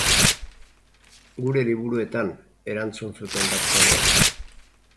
Gure liburuetan, erantzun zuten doktoreek.